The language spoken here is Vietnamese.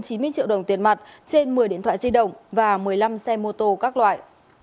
triệu đồng tiền mặt trên một mươi điện thoại di động và một mươi năm xe mô tô các loại